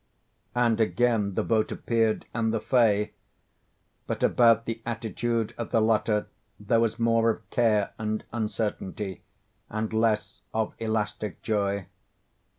And again the boat appeared and the Fay; but about the attitude of the latter there was more of care and uncertainty and less of elastic joy.